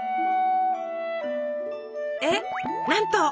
えっなんと！